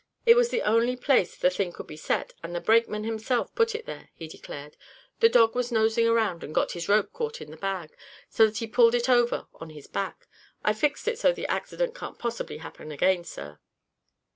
"It was the only place the thing could be set, and the brakeman himself put it there," he declared. "The dog was nosing around, and got his rope caught in the bag, so that he pulled it over on his back. I've fixed it so the accident can't possibly happen again, sir."